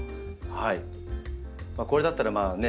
これだったらまあね